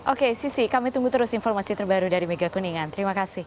oke sisi kami tunggu terus informasi terbaru dari mega kuningan terima kasih